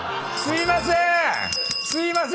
すいません！